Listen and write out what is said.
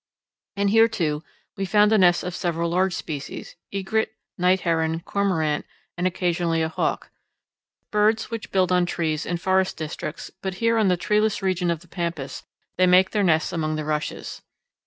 And here, too, we found the nests of several large species egret, night heron, cormorant, and occasionally a hawk birds which build on trees in forest districts, but here on the treeless region of the pampas they made their nests among the rushes.